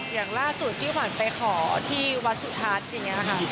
อย่างล่าสุดที่ขวัญไปขอที่วัดสุทัศน์อย่างนี้ค่ะ